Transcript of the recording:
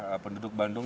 tapi seberapa penting